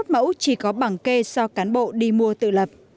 sáu mươi một mẫu chỉ có bảng kê do cán bộ đi mua tự lập